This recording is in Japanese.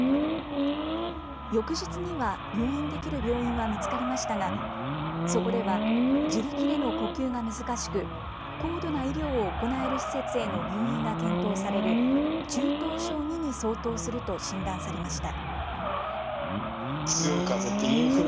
翌日には入院できる病院は見つかりましたがそこでは自力での呼吸が難しく高度な医療を行える施設への入院が検討される中等症２に相当すると診断されました。